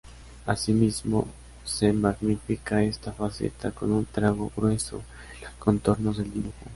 Asimismo, se magnifica esta faceta con un trazo grueso en los contornos del dibujo.